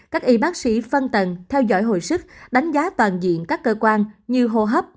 các y bác sĩ phân tầng theo dõi hồi sức đánh giá toàn diện các cơ quan như hô hấp